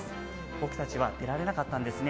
僕たちは出られなかったんですね。